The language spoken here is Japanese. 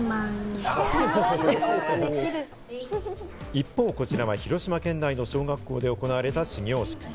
一方、こちらは広島県内の小学校で行われた始業式。